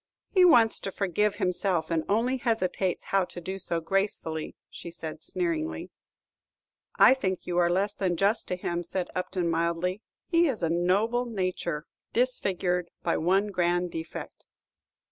"He wants to forgive himself, and only hesitates how to do so gracefully," said she, sneeringly. "I think you are less than just to him," said Upton, mildly; "his is a noble nature, disfigured by one grand defect."